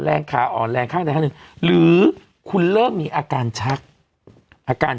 ขาอ่อนแรงข้างใดข้างหนึ่งหรือคุณเริ่มมีอาการชักอาการ